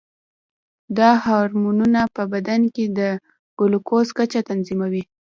دا هورمونونه په بدن کې د ګلوکوز کچه تنظیموي.